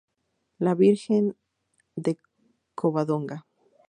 La Virgen de Covadonga.